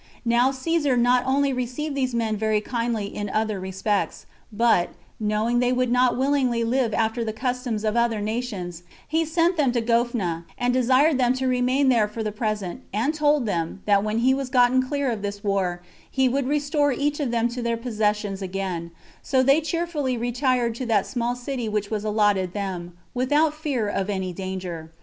Now Caesar not only received these men very kindly in other respects, but, knowing they would not willingly live after the customs of other nations, he sent them to Gophna, and desired them to remain there for the present, and told them, that when he was gotten clear of this war, he would restore each of them to their possessions again; so they cheerfully retired to that small city which was allotted them, without fear of any danger.